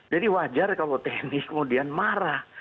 jadi wajar kalau tni kemudian marah